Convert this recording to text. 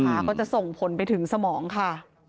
ก็จะส่งผลไปถึงสมองค่ะ